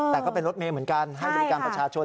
แต่ก็เป็นรถเมย์เหมือนกันให้บริการประชาชน